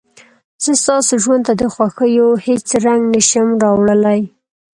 زه ستاسو ژوند ته د خوښيو هېڅ رنګ نه شم راوړلى.